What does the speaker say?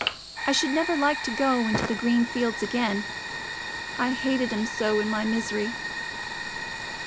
I should never like to go into the green fields again—I hated 'em so in my misery."